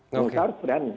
maka harus berani